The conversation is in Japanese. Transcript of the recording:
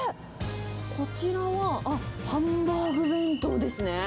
こちらはハンバーグ弁当ですね。